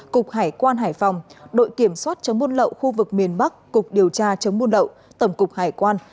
cục hải quan hải phòng đội kiểm soát chống buôn lậu khu vực miền bắc cục điều tra chống buôn lậu tổng cục hải quan